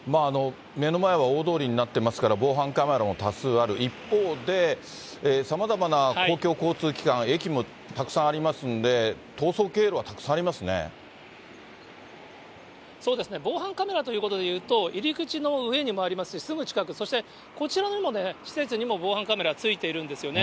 目の前は大通りになってますから、防犯カメラも多数ある、一方で、さまざまな公共交通機関、駅もたくさんありますんで、そうですね、防犯カメラということで言うと、入り口の上にもありますし、すぐ近く、そしてこちらにも、施設にも防犯カメラ付いているんですよね。